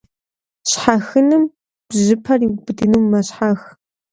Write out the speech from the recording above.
Щхьэхынэм бжьыпэр иубыдыну мэщхьэх.